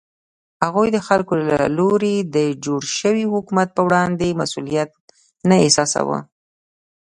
هغوی د خلکو له لوري د جوړ شوي حکومت په وړاندې مسوولیت نه احساساوه.